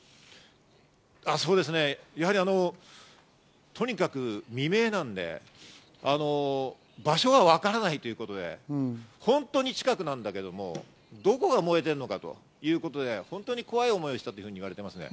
やはりとにかく未明なので場所がわからないということで本当に近くなんだけど、どこが燃えてるのかということで本当に怖い思いをしたと言われています。